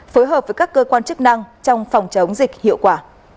phối hợp với các cơ quan chức năng trong phòng chống dịch hiệu quả